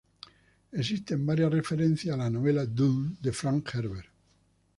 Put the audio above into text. Existen varias referencias a la novela "Dune" de Frank Herbert.